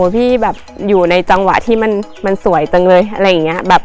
พี่อยู่ในจังหวะที่มันสวยจังเลย